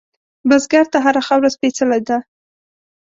بزګر ته هره خاوره سپېڅلې ده